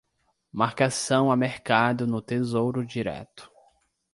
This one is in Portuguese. Marcação a mercado no Tesouro Direto